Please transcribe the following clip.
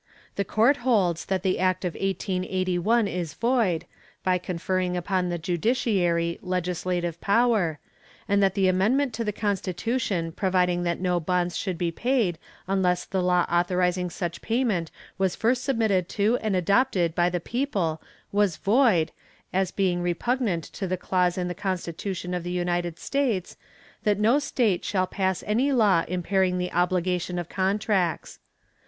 The court holds that the act of 1881 is void, by conferring upon the judiciary legislative power, and that the amendment to the constitution providing that no bonds should be paid unless the law authorizing such payment was first submitted to and adopted by the people was void, as being repugnant to the clause in the constitution of the United States, that no state shall pass any law impairing the obligation of contracts.